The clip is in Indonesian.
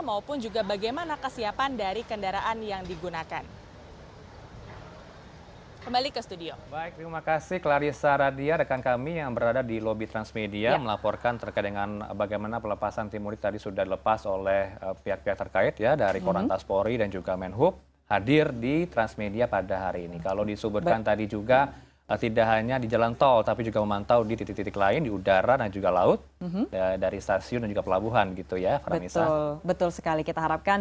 maupun juga bagaimana kesiapan dari kendaraan yang digunakan